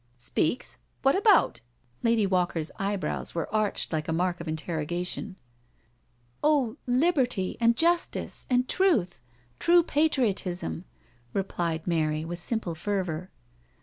" Speaks 1 What about?" Lady Walker's eyebrows were arched like a mark of interrogation. " Oh, liberty and justice and truth— true patriotism," replied Mary, with simple fervour.